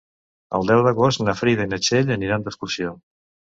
El deu d'agost na Frida i na Txell aniran d'excursió.